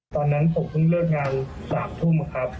ตอนนั้นผมเพิ่งเลิกงาน๓ทุ่มครับ